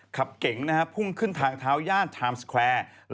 เก๋งพุ่งขึ้นทางเท้าย่านไทม์สแควร์